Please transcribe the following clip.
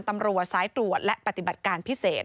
ตำรวจสายตรวจและปฏิบัติการพิเศษ